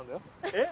えっ？